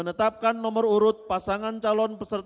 terkaca yang menerima alas